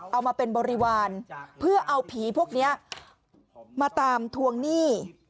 เอามาเป็นบริวารเพื่อเอาผีพวกนี้มาตามทวงหนี้